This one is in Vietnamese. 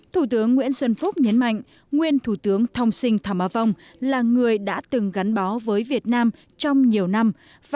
thủ tướng nguyễn xuân phúc nhấn mạnh nguyên thủ tướng thông sinh thảm á vong là người đã từng gắn bó với việt nam trong nhiều năm